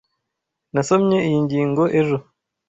Nasomye iyi ngingo ejo.